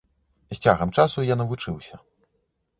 З цягам часу я навучыўся.